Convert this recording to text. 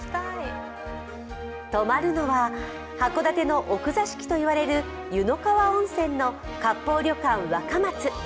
泊まるのは函館の奥座敷といわれる湯の川温泉の割烹旅館若松。